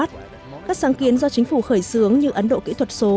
các sáng kiến do chính phủ khởi xướng như ấn độ kỹ thuật số